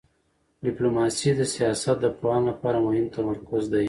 ډیپلوماسي د سیاست پوهانو لپاره مهم تمرکز دی.